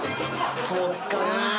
そっか。